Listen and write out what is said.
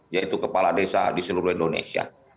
yaitu kepala desa di seluruh indonesia